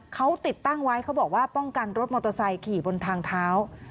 เขาติดตั้งไว้เขาบอกว่าป้องกันรถมอเตอร์ไซค์ขี่บนทางเท้า